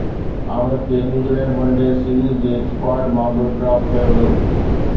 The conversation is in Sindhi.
عامر کي نيوزيلينڊ ون ڊي سيريز جي اسڪواڊ مان به ڊراپ ڪيو ويو